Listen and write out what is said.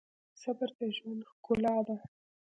صبر د ژوند ښکلا ده.